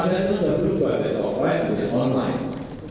pada saat berubah offline menjadi online